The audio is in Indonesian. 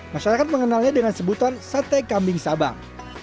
masyarakat mengenalnya dengan sebutan sate kambing sabang